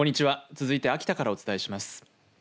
続いて秋田からお伝えします。